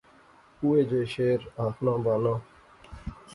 اوہے جے شعر آخنا بانا